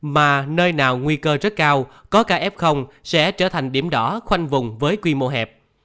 mà nơi nào nguy cơ rất cao có kf sẽ trở thành điểm đỏ khoanh vùng với quy mô hẹp